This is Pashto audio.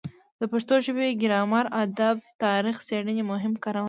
د پښتو ژبې ګرامر ادب تاریخ څیړنې مهم کارونه دي.